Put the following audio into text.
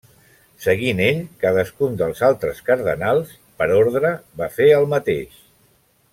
Seguint ell, cadascun dels altres cardenals, per ordre, va fer el mateix.